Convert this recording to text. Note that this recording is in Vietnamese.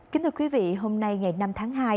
kính thưa quý vị hôm nay ngày năm tháng hai